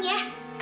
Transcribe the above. nih dateng ya